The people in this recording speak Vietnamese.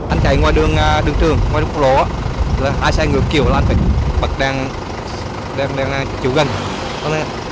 anh chạy ngoài đường trường ngoài đường quốc lộ hai xe ngược chiều là anh phải bật đèn đèn đèn đèn chiều gần